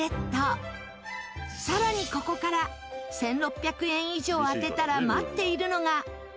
さらにここから１６００円以上当てたら待っているのが。